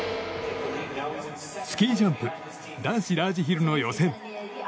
スキージャンプ男子ラージヒルの予選。